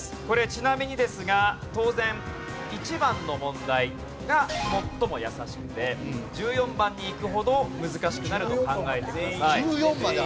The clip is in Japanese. これちなみにですが当然１番の問題が最も易しくて１４番にいくほど難しくなると考えてください。